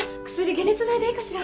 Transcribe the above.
解熱剤でいいかしら？